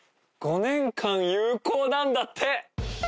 ５年間有効なんだって。